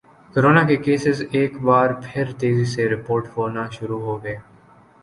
corona کے cases ایک بار پھر تیزی سے رپورٹ ہونا شروع ہوگئے